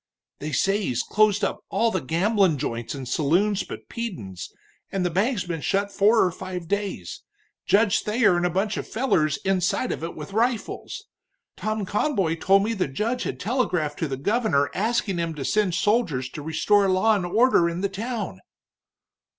"They say he's closed up all the gamblin' joints and saloons but Peden's, and the bank's been shut four or five days, Judge Thayer and a bunch of fellers inside of it with rifles. Tom Conboy told me the judge had telegraphed to the governor asking him to send soldiers to restore law and order in the town."